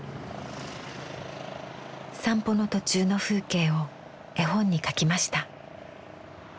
散歩の途中の風景を絵本に描きました。